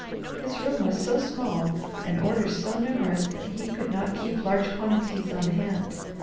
His room was so small and orders so numerous that he could not keep large quantities on hand.